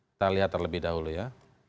kita lihat terlebih dahulu ya